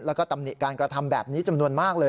แล้วก็ตำหนิการกระทำแบบนี้จำนวนมากเลย